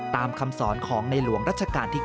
คำสอนของในหลวงรัชกาลที่๙